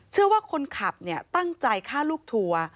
ว่าคนขับตั้งใจฆ่าลูกทัวร์